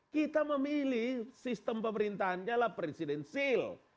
kita memilih sistem pemerintahannya adalah presidensil